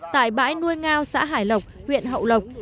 tại bãi nuôi ngao xã hải lộc huyện hậu lộc